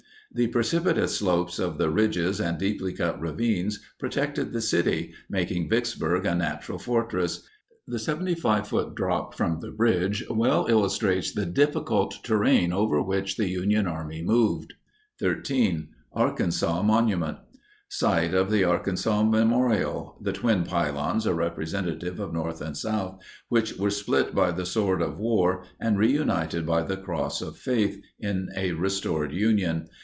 The precipitous slopes of the ridges and deeply cut ravines protected the city, making Vicksburg a natural fortress. The 75 foot drop from the bridge well illustrates the difficult terrain over which the Union Army moved. 13. ARKANSAS MONUMENT. Site of the Arkansas memorial. The twin pylons are representative of North and South, which were split by the sword of war and reunited by the cross of faith in a restored Union.